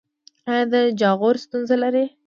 ایا د جاغور ستونزه لرئ؟